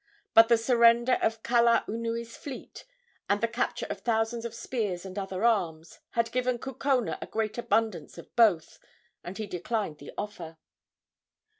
But the surrender of Kalaunui's fleet, and the capture of thousands of spears and other arms, had given Kukona a great abundance of both, and he declined the offer.